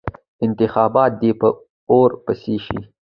انتخابات دې په اور پسې شي.